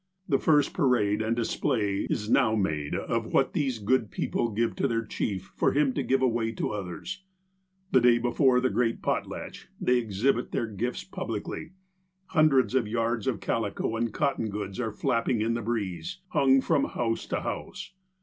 The first parade and display is now made of what these good people give to their chief for him to give away to others. The day before the great potlatch, they exhibit their gifts publicly. Hundreds of yards of calico and cotton goods are flapping iu the breeze, hung from house to house.